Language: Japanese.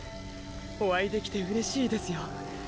お会いできてうれしいですよ。